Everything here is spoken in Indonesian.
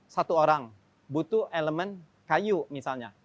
satu orang butuh elemen kayu misalnya